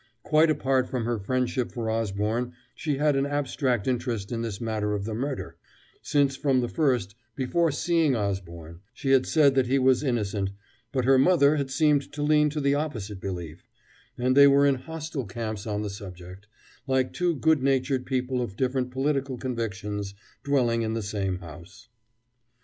Quite apart from her friendship for Osborne, she had an abstract interest in this matter of the murder, since from the first, before seeing Osborne, she had said that he was innocent, but her mother had seemed to lean to the opposite belief, and they were in hostile camps on the subject, like two good natured people of different political convictions dwelling in the same house.